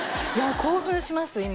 いや興奮します